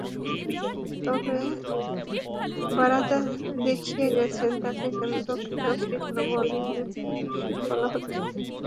তবে রাবাদা দেখিয়ে গেছেন, তাঁকে কেন দক্ষিণ আফ্রিকার বোলিংয়ের ভবিষ্যৎ বলা হচ্ছে।